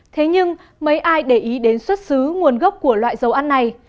thế nhưng mấy ai để ý đến xuất xứ nguồn gốc của loại dầu ăn này